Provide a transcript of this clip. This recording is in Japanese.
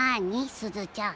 すずちゃん。